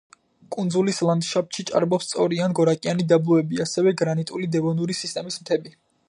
კუნძულის ლანდშაფტში ჭარბობს სწორი ან გორაკიანი დაბლობები, ასევე გრანიტული დევონური სისტემის მთები.